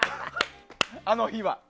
あの日は。